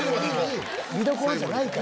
見どころじゃないから。